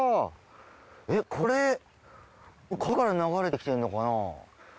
えっこれ川から流れてきてるのかな？